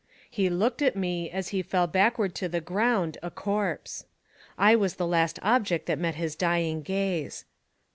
He looked at me as he fell backward to the ground a corpse. I was the last object that met his dying gaze.